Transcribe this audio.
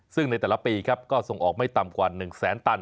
ซึ่งในแต่ละปีครับก็ส่งออกไม่ต่ำกว่า๑แสนตัน